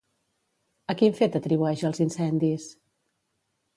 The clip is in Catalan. A quin fet atribueix els incendis?